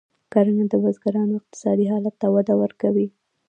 کرنه د بزګرانو اقتصادي حالت ته وده ورکوي.